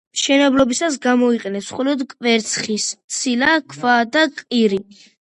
მშენებლობისას გამოიყენეს მხოლოდ კვერცხის ცილა, ქვა და კირი.